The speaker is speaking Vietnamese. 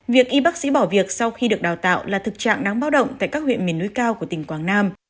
việc y bác sĩ bỏ việc sau khi được đào tạo là thực trạng đáng báo động tại các huyện miền núi cao của tỉnh quảng nam